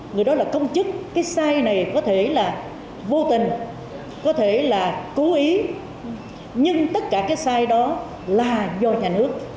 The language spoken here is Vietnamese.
người đó là công chức cái sai này có thể là vô tình có thể là cố ý nhưng tất cả cái sai đó là do nhà nước